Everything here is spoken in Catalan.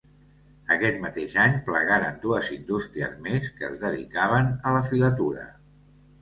Aquest mateix any, plegaren dues indústries més que es dedicaven a la filatura.